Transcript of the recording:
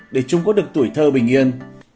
để chúng có được tuổi thơ bình yên